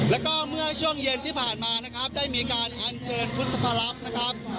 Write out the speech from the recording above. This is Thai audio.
แล้วก็เมื่อช่วงเย็นที่ผ่านมานะครับได้มีการอัญเชิญพุทธพระลักษณ์นะครับ